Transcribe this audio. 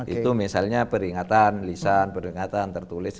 itu misalnya peringatan lisan peringatan tertulis